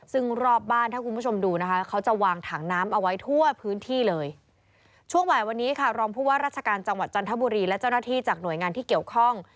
ซึ่งรอบบ้านถ้าคุณผู้ชมดูนะคะเขาจะวางถังน้ำเอาไว้ทั่วพื้นที่เลยช่วงบ่ายวันนี้ค่ะรองผู้ว่าราชการจังหวัดจันทบุรีและเจ้าหน้าที่จากหน่วยงานที่เกี่ยวข้อง